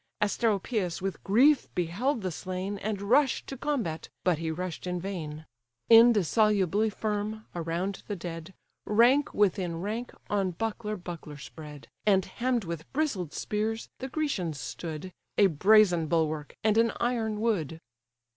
Asteropeus with grief beheld the slain, And rush'd to combat, but he rush'd in vain: Indissolubly firm, around the dead, Rank within rank, on buckler buckler spread, And hemm'd with bristled spears, the Grecians stood, A brazen bulwark, and an iron wood.